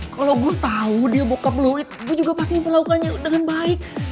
kalo gua tau dia bokap lo itu gua juga pasti ngelakukannya dengan baik